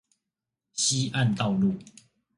西岸道路